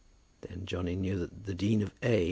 Then Johnny knew that the Dean of A.